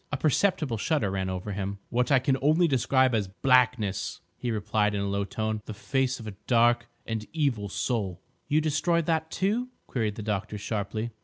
A perceptible shudder ran over him. "What I can only describe as—blackness," he replied in a low tone; "the face of a dark and evil soul." "You destroyed that, too?" queried the doctor sharply.